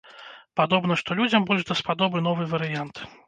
Падобна, што людзям больш даспадобы новы варыянт.